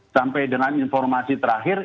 sampai dengan informasi terakhir